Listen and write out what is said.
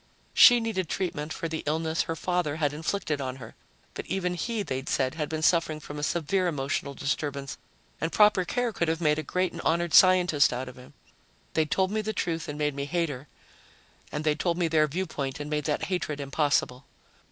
She needed treatment for the illness her father had inflicted on her. But even he, they'd said, had been suffering from a severe emotional disturbance and proper care could have made a great and honored scientist out of him. They'd told me the truth and made me hate her, and they'd told me their viewpoint and made that hatred impossible.